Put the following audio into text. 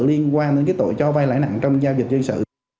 liên quan đến cái tội cho vai lãi nặng trong giao dịch dân sự